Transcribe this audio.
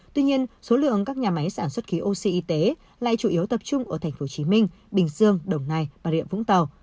tuy nhiên số lượng các nhà máy sản xuất khí oxy y tế lại chủ yếu tập trung ở tp hcm bình dương đồng nai bà rịa vũng tàu